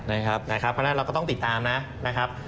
เพราะฉะนั้นเราก็ต้องติดตามนะครับ